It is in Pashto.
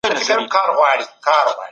د ګمرکونو عواید څنګه پوښتل کېږي؟